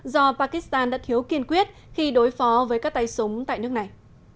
do pakistan đã thiếu kiên quyết khi đối phó với các tay súng tại nước này